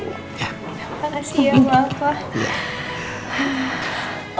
makasih ya mbah pa